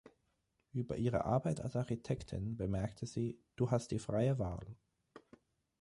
Über ihre Arbeit als Architektin bemerkte sie: "„Du hast die freie Wahl.